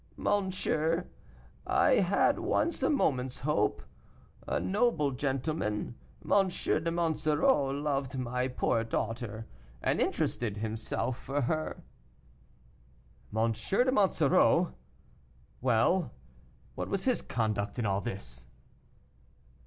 "Monsieur, I had once a moment's hope. A noble gentleman, M. de Monsoreau, loved my poor daughter, and interested himself for her." "M. de Monsoreau! Well, what was his conduct in all this!"